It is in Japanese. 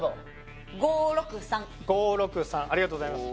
５６３５６３ありがとうございます